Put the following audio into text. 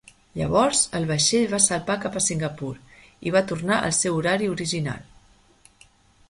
Llavors el vaixell va salpar cap a Singapur i va tornar al seu horari original.